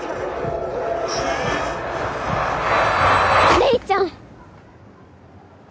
玲ちゃん！